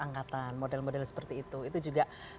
angkatan model model seperti itu itu juga